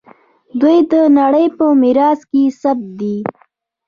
دوی د نړۍ په میراث کې ثبت دي.